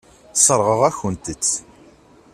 Sseṛɣeɣ-akent-tt.